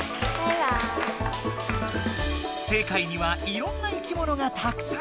世界にはいろんないきものがたくさん！